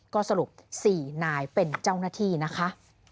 ก็สรุป๔นายเป็นเจ้าหน้าที่นะคะ